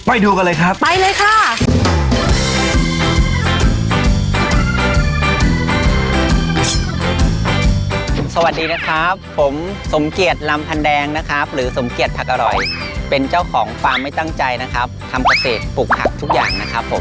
ไปดูธุรกิจที่สามารถทำเงินได้ถึง